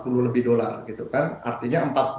empat puluh lebih dolar gitu kan artinya